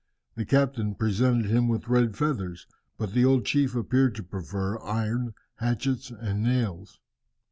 The captain presented him with red feathers, but the old chief appeared to prefer iron, hatchets, and nails.